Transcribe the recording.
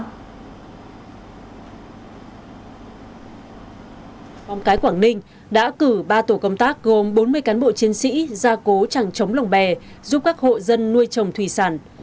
móng cái quảng ninh đã cử ba tổ công tác gồm bốn mươi cán bộ chiến sĩ ra cố chẳng chống lòng bè giúp các hộ dân nuôi chồng thùy sản